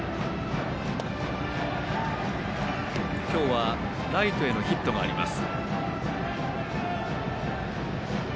今日はライトへのヒットがあります。